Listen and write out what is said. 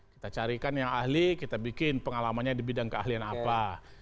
kita carikan yang ahli kita bikin pengalamannya di bidang keahlian apa